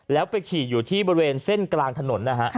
แล้วไปขี่อยู่ที่บริเวณเส้นกลางถนนนะฮะ